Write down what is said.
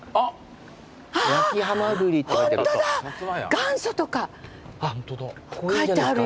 「元祖」とか書いてあるよ。